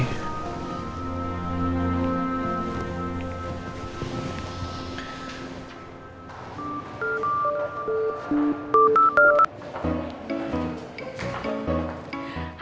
aku mau ke rumah